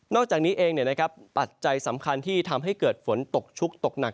อกจากนี้เองปัจจัยสำคัญที่ทำให้เกิดฝนตกชุกตกหนัก